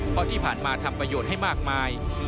เพราะที่ผ่านมาทำประโยชน์ให้มากมาย